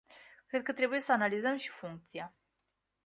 Cred că trebuie să analizăm și funcția.